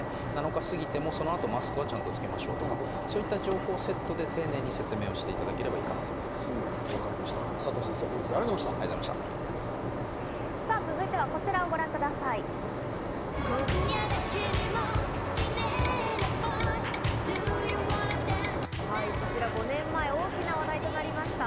７日過ぎてもそのあとマスクはちゃんとつけましょうとか、そういった情報をセットで丁寧に説明していただければいいかなと思いま佐藤先生、本日はありがとうございました。